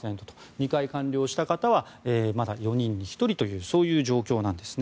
２回完了した方はまだ４人に１人という状況なんです。